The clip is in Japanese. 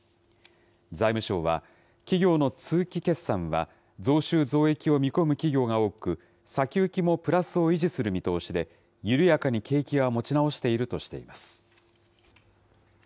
財務省は、企業の通期決算は増収増益を見込む企業が多く、先行きもプラスを維持する見通しで、緩やかに景気は持ち直しているとしています。